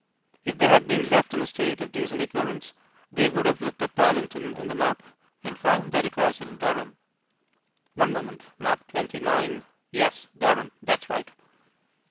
If they had been left in a state of decent ignorance, they would have looked for Darlington in the map and found that it was in Durham. (One moment Map 29 Yes, Durham; that's right.)